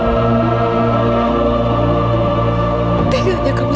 saya tidak percaya sama ibu